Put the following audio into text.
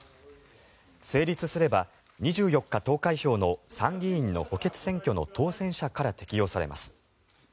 成立すれば２４日投開票の参議院の補欠選挙の当選者から適用されます。